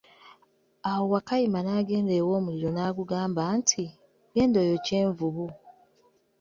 Awo Wakayima n'agenda ew' omuliro n'agugamba nti, genda oyokye envubu.